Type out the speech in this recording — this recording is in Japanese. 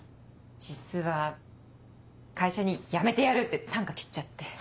実は会社に「辞めてやる」って啖呵切っちゃって。